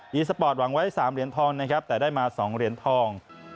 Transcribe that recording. มีสปอร์ตหวังไว้๓เหรียญทองนะครับแต่ได้มา๒เหรียญทอง